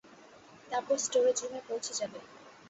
তারপর স্টোরেজ রুমে পৌছে যাবে।